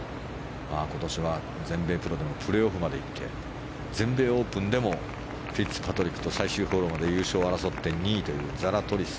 今年は全米プロでもプレーオフまで行って全米オープンでもフィッツパトリックと最終ホールまで優勝を争って２位というザラトリス。